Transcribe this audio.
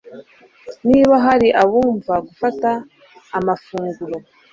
Niba hari abumva gufata amafunguro